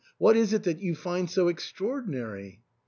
what is it that you find so extraordi nary